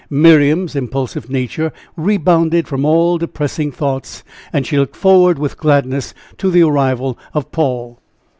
Miriam's impulsive nature rebounded from all depressing thoughts, and she looked forward with gladness to the arrival of Paul.